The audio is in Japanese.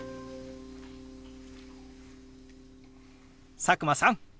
佐久間さん！